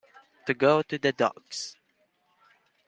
To go to the dogs.